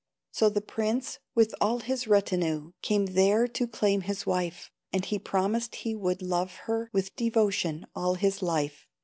So the Prince, with all his retinue, Came there to claim his wife; And he promised he would love her With devotion all his life.